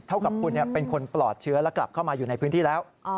เท่ากับคุณเป็นคนปลอดเชื้อและกลับเข้ามาอยู่ในพื้นที่แล้ว